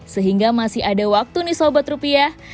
sehingga masih ada waktu nih sobat rupiah